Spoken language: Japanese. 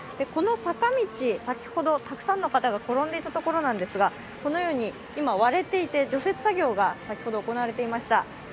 この坂道、先ほどたくさんの方が転んでいたところなんですが今、割れていて除雪作業が先ほど行われていました。